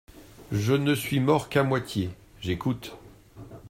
Je ne suis mort qu'à moitié : j'écoute.